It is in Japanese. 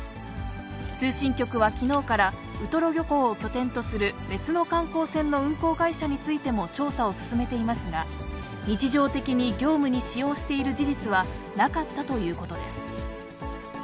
通信局はきのうから、ウトロ漁港を拠点とする別の観光船の運航会社についても調査を進めていますが、日常的に業務に使用している事実はなかったということです。